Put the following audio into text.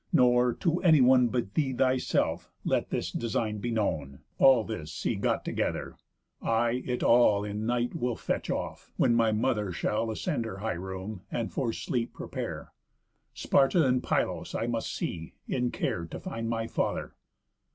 Nor, to anyone But thee thyself, let this design be known. All this see got together; I it all In night will fetch off, when my mother shall Ascend her high room, and for sleep prepare. Sparta and Pylos I must see, in care To find my father."